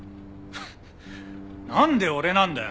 フッなんで俺なんだよ？